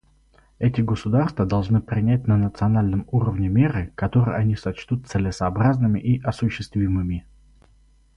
Эти государства должны принять на национальном уровне меры, которые они сочтут целесообразными и осуществимыми.